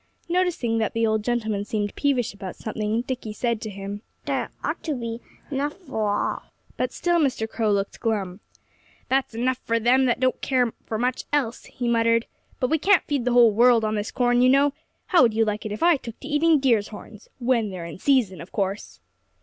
Noticing that the old gentleman seemed peevish about something, Dickie said to him: "There ought to be enough for all." But still Mr. Crow looked glum. "There's enough for them that don't care for much else," he muttered. "But we can't feed the whole world on this corn, you know.... How would you like it if I took to eating deer's horns when they're in season, of course?"